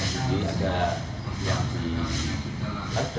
jadi ada yang di